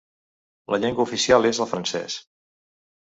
La llengua oficial és el francès.